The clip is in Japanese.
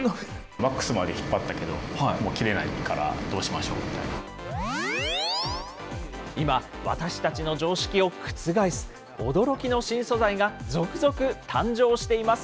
マックスまで引っ張ったけど切れないから、今、私たちの常識を覆す、驚きの新素材が続々誕生しています。